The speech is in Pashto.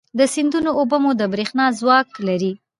د سیندونو اوبه مو د برېښنا ځواک لري.